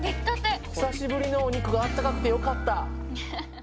久しぶりのお肉があったかくてよかった。